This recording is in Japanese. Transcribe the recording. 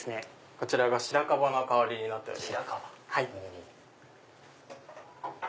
こちらがシラカバの香りになっております。